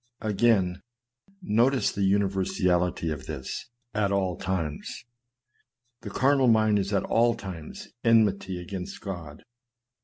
Again, notice the universality of this at all times. The carnal mind is at all times enmity against God.